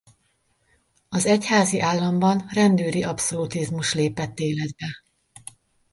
Az Egyházi Államban rendőri abszolutizmus lépett életbe.